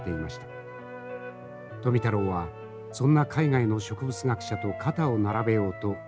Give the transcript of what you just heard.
富太郎はそんな海外の植物学者と肩を並べようと研究を重ねます。